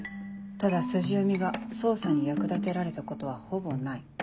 ただ筋読みが捜査に役立てられたことはほぼない。